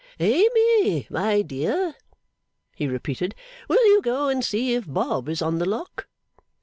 'Amy, my dear,' he repeated. 'Will you go and see if Bob is on the lock?